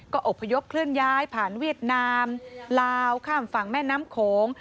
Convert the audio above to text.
ก็อบพยพเคลื่อนย้ายผ่านเวียดนามลาวข้ามฝั่งแม่น้ำโขง